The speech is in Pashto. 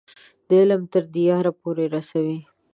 د علم تر دیاره پورې رسوي.